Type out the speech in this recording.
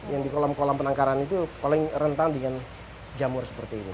yang di kolam kolam penangkaran itu paling rentan dengan jamur seperti ini